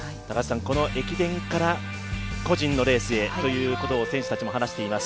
この駅伝から、個人のレースへということを選手たちも葉梨知恵升。